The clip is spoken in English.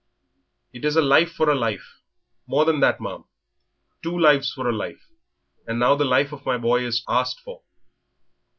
"It is a life for a life more than that, ma'am two lives for a life; and now the life of my boy is asked for."